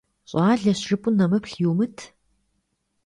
ЩӀалэщ жыпӀэу нэмыплъ йумыт.